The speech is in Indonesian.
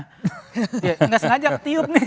tidak sengaja tiup nih